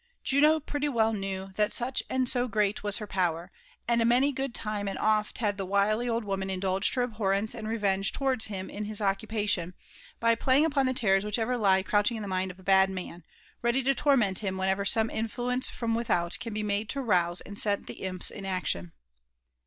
Juno pretty weU kaew that ''aucb and s<»grca!f' msberpewer; and many a good time and oft had the wily old woman indulged her ahborreiioe and revei^e towards him and bis oocupatiea, by pfaying upon the terrors whieb eter lie ereuehiag m themind of a bad man, ready to tbrmea4 bim whenever seaie inflaeiieefrecnwilbottt can be made to rouse and ae4 the ioipe io action.